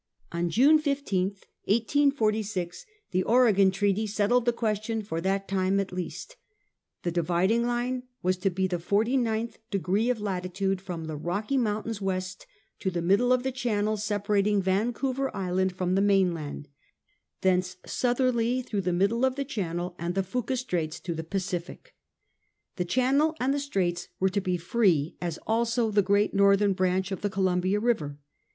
On June 15, 1846, the Oregon Treaty settled the question for that time at least ; the dividing line was to be ' the forty ninth degree of latitude, from the Rocky Moun tains west to the middle of the channel separat ing Vancouver's Island from the mainland; thence southerly through the middle of the channel and of Fuca's Straits to the Pacific.' The channel and straits were to be free, as also the great northern branch of the Columbia River.